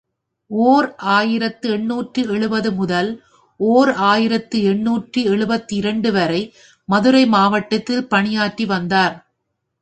ஓர் ஆயிரத்து எண்ணூற்று எழுபது முதல் ஓர் ஆயிரத்து எண்ணூற்று எழுபத்திரண்டு வரை மதுரை மாவட்டத்தில் பணியாற்றி வந்தார்.